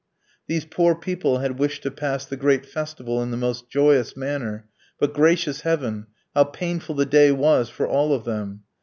These poor people had wished to pass the great festival in the most joyous manner, but, gracious heaven, how painful the day was for all of them!